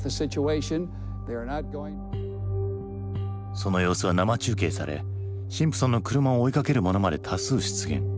その様子は生中継されシンプソンの車を追いかける者まで多数出現。